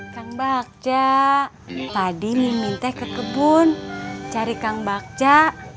kang bagja tadi diminta ke kebun cari kang bagja